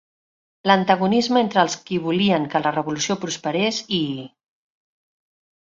L'antagonisme entre els qui volien que la revolució prosperés i...